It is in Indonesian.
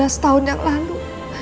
setahun yang lalu